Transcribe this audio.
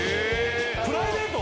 プライベート？